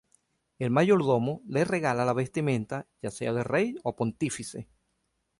El mayordomo le regala la vestimenta ya sea de rey o pontífice.